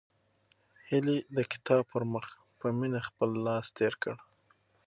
هیلې د بل کتاب پر مخ په مینه خپل لاس تېر کړ.